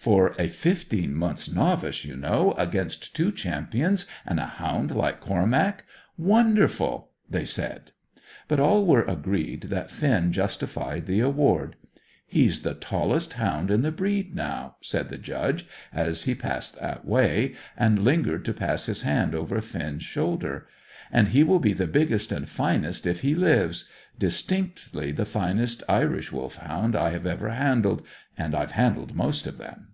"For a fifteen months' novice, you know, against two champions, and a hound like Cormac wonderful!" they said. But all were agreed that Finn justified the award. "He's the tallest hound in the breed, now," said the Judge, as he passed that way, and lingered to pass his hand over Finn's shoulder; "and he will be the biggest and finest if he lives; distinctly the finest Irish Wolfhound I have ever handled, and I've handled most of them."